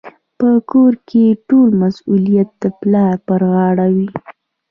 په کور کي ټول مسوليت د پلار پر غاړه وي.